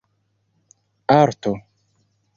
arto